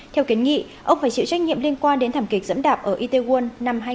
theo kiến nghị ông phải chịu trách nhiệm liên quan đến thảm kịch dẫn đạp ở itaewon năm hai nghìn hai mươi hai